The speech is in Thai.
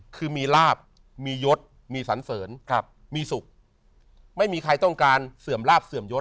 คือมีลาบมียศมีสันเสริญครับมีสุขไม่มีใครต้องการเสื่อมลาบเสื่อมยศ